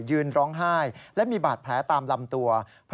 ยืนร้องไห้และมีบาดแผลตามลำตัว